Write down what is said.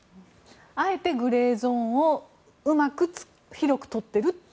あえてグレーゾーンをうまく広く取っていると。